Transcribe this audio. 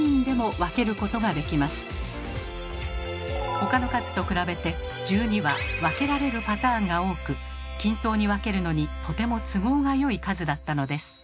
他の数と比べて１２は分けられるパターンが多く均等に分けるのにとても都合がよい数だったのです。